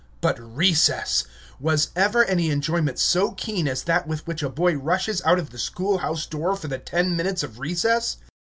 But recess! Was ever any enjoyment so keen as that with which a boy rushes out of the schoolhouse door for the ten minutes of recess?